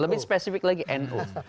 lebih spesifik lagi nu